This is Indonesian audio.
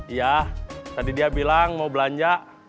iya tadi dia bilang mau belanja